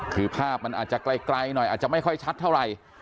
คือภาพมันอาจจะไกลหน่อยอาจจะไม่ค่อยชัดเท่าไหร่